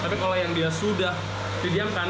tapi kalau yang dia sudah didiamkan